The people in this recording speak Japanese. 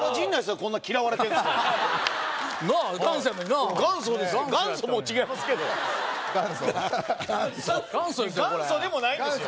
これ元祖でもないんですよ